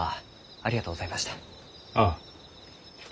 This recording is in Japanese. ああ。